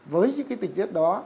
với những tình tiết đó